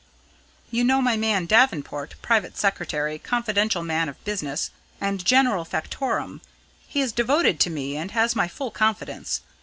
You know my man Davenport private secretary, confidential man of business, and general factotum. He is devoted to me, and has my full confidence.